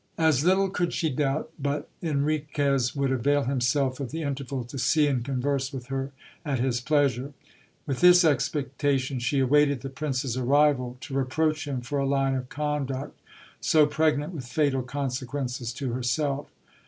As little could she doubt but Enriquez would avail himself of the interval to see and converse with her at his pleasure. With this expectation she awaited the prince's ar rival, to reproach him for a line of conduct so pregnant with fatal consequences to herself.